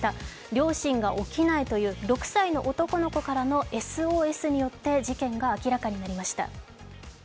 両親が起きないという６歳の男の子からのＳＯＳによって事件が明らかになりました。